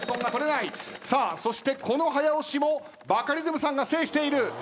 そしてこの早押しもバカリズムさんが制している。